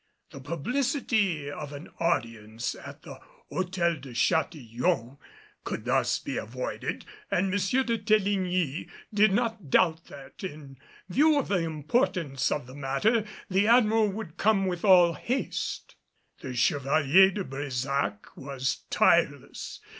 The publicity of an audience at the Hôtel de Châtillon could thus be avoided and M. de Teligny did not doubt that, in view of the importance of the matter, the Admiral would come with all haste. The Chevalier de Brésac was tireless.